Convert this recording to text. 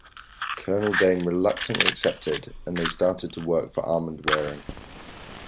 Colonel Dane reluctantly accepted and they started to work for Armand Waering.